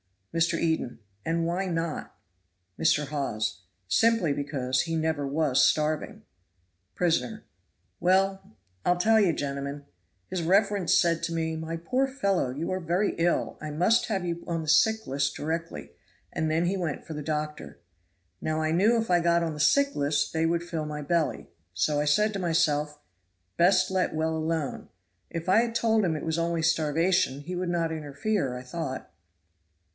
Mr. Eden. "And why not?" Mr. Hawes. "Simply because he never was starving." Prisoner. "Well! I'll tell you, gentlemen. His reverence said to me, 'My poor fellow, you are very ill I must have you on the sick list directly,' and then he went for the doctor. Now I knew if I got on the sick list they would fill my belly; so I said to myself, best let well alone. If I had told him it was only starvation he would not interfere, I thought."